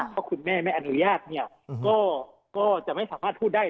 ถ้าคุณแม่ไม่อนุญาตเนี่ยก็จะไม่สามารถพูดได้